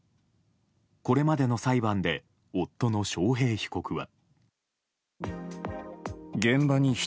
これまでの裁判で夫の章平被告は。